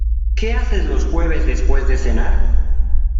¿Qué haces los jueves después de cenar?